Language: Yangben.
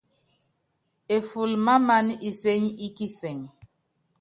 Eful mamana isény í kisɛŋ.